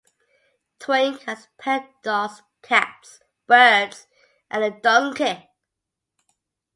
Twink has pet dogs, cats, birds, and a donkey.